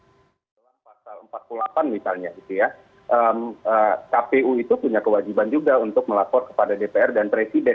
dalam pasal empat puluh delapan misalnya gitu ya kpu itu punya kewajiban juga untuk melapor kepada dpr dan presiden